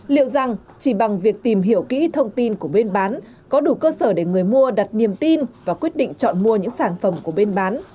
liệu rằng chỉ bằng việc tìm hiểu kỹ thông tin của bên bán có đủ cơ sở để người mua đặt niềm tin và quyết định chọn mua những sản phẩm của bên bán